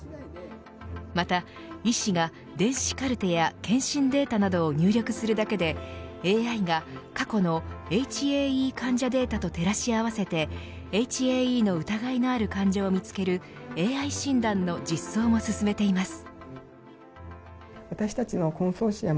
また医師が電子カルテや健診データなどを入力するだけでＡＩが過去のＨＡＥ患者データと照らし合わせてＨＡＥの疑いがある患者を見つけるＡＩ診断の実装も進めています。